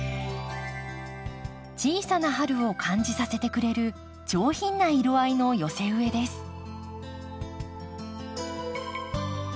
小さな春を感じさせてくれる上品な色合いの寄せ植えです。